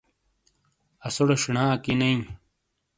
اسوڑے شینا اکی نہ ایں۔